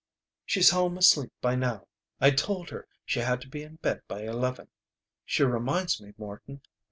"She's home asleep by now. I told her she had to be in bed by eleven. She minds me, Morton.